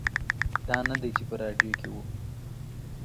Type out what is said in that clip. دا نه دی چې په راډیو کې و.